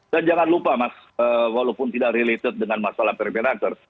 dan jangan lupa mas walaupun tidak related dengan masalah permenaker